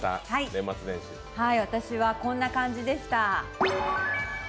私はこんな感じでした。